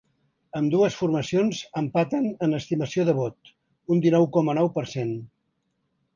Ambdues formacions empaten en estimació de vot; un dinou coma nou per cent.